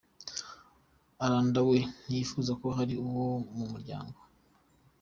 Aranda we ntiyifuje ko hari uwo mu muryango